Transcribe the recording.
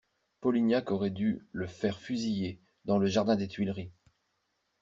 Polignac aurait dû le faire fusiller dans le jardin des Tuileries!